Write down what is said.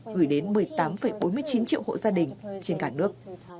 gửi đến một mươi tám bốn mươi chín triệu hộ gia đình trên cả nước